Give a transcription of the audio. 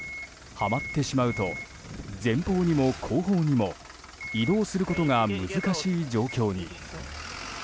はまってしまうと前方にも後方にも移動することが難しい状況に。